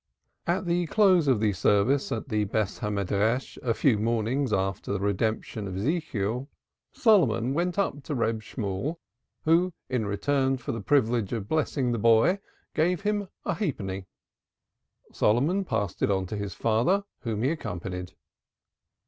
At the close of the service at the Beth Hamidrash a few mornings after the Redemption of Ezekiel, Solomon went up to Reb Shemuel, who in return for the privilege of blessing the boy gave him a halfpenny. Solomon passed it on to his father, whom he accompanied.